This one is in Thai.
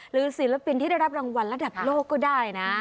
ศิลปินที่ได้รับรางวัลระดับโลกก็ได้นะ